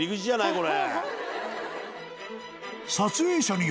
これ。